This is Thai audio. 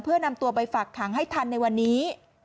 เพื่อนำตัวไปฝากขังให้ทันในวันนี้